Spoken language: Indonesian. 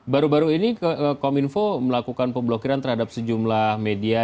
baru baru ini kominfo melakukan pemblokiran terhadap sejumlah media